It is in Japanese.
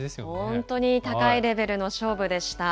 本当に高いレベルの勝負でした。